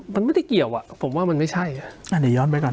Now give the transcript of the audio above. มันไม่ได้เกี่ยวอ่ะผมว่ามันไม่ใช่อ่ะเดี๋ยวย้อนไปก่อน